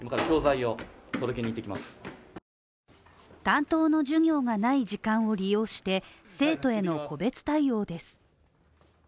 担当の授業がない時間を利用して生徒への個別対応です。